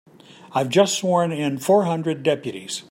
I've just sworn in four hundred deputies.